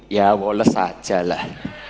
ya woles ajalah